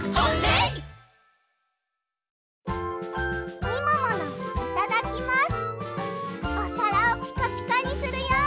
いただきます！